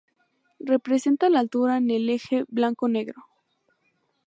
Representa la altura en el eje blanco-negro.